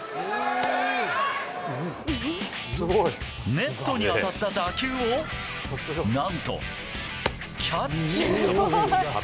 ネットに当たった打球を、なんと、キャッチ。